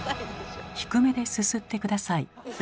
低めですすって下さい。